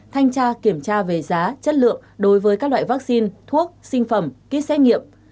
thanh tra kiểm tra về giá chất lượng đối với các loại vaccine thuốc sinh phẩm kýt xét nghiệm